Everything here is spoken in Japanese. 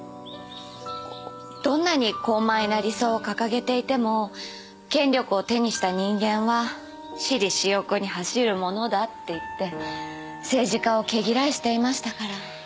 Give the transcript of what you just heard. どんなに高邁な理想を掲げていても権力を手にした人間は私利私欲に走るものだって言って政治家を毛嫌いしていましたから。